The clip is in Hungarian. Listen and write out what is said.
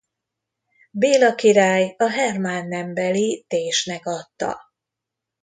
Béla király a Hermán nembeli Désnek adta.